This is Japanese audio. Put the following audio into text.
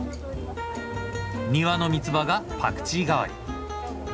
庭のみつばがパクチー代わり。